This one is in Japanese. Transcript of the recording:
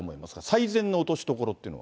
最善の落としどころっていうのは。